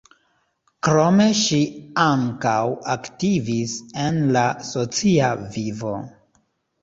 Krome ŝi ankaŭ aktivis en la socia vivo.